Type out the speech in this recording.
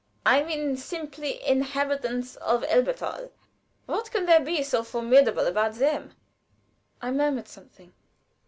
I mean simply inhabitants of Elberthal. What can there be so formidable about them?" I murmured something.